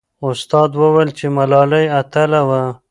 استاد وویل چې ملالۍ اتله وه.